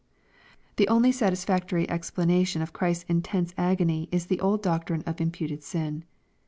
The only satisfactory explanation of Christ's intense agony is the old doctrine of imputed sin.